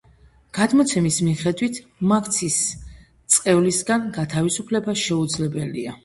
გადმოცემის მიხედვით, მაქციის წყევლისგან გათავისუფლება შეუძლებელია.